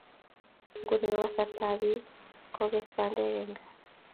Nguni ko kasarta ab biik ko kes bandek eng' kaa